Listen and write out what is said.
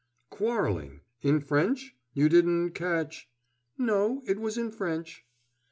"Quarreling in French? You didn't catch ?" "No, it was in French."